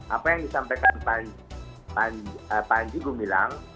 apa yang disampaikan panji gumilang